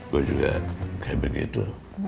gue juga kayak begitu